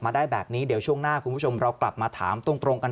ได้แบบนี้เดี๋ยวช่วงหน้าคุณผู้ชมเรากลับมาถามตรงกัน